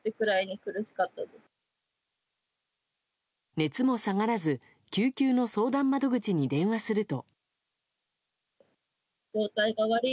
熱も下がらず救急の相談窓口に電話すると。